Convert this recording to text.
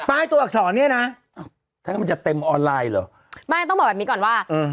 ตัวอักษรเนี้ยนะถ้ามันจะเต็มออนไลน์เหรอไม่ต้องบอกแบบนี้ก่อนว่าเออ